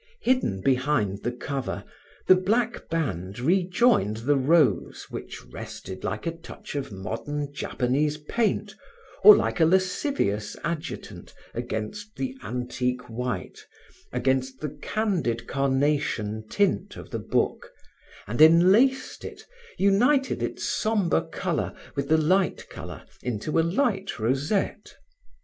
Hidden behind the cover, the black band rejoined the rose which rested like a touch of modern Japanese paint or like a lascivious adjutant against the antique white, against the candid carnation tint of the book, and enlaced it, united its sombre color with the light color into a light rosette.